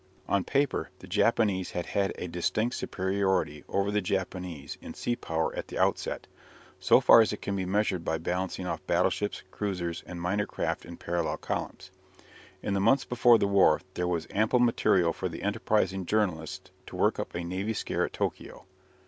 On paper the Russians had had a distinct superiority over the Japanese in sea power at the outset, so far as it can be measured by balancing off battleships, cruisers, and minor craft in parallel columns. In the months before the war there was ample material for the enterprising journalist to work up a navy scare at Tokio.